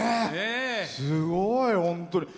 すごい、本当に。